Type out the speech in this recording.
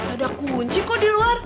ada kunci kok di luar